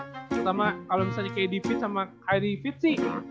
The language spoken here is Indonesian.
terutama kalo misalnya kd pijat sama kairi pijat sih